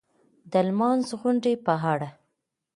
د لمانځغونډې په اړه